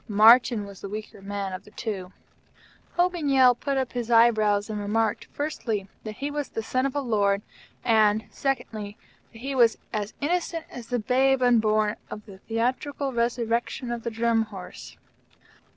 Martyn was the weaker man of the two, Hogan Yale put up his eyebrows and remarked, firstly, that he was the son of a Lord, and secondly, that he was as innocent as the babe unborn of the theatrical resurrection of the Drum Horse.